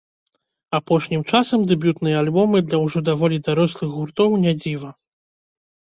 Апошнім часам дэбютныя альбомы для ўжо даволі дарослых гуртоў не дзіва.